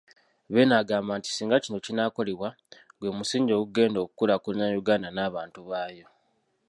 Beene agamba nti singa kino kinaakolebwa, gwe musingi ogugenda okukulaakulanya Uganda n'abantu baayo.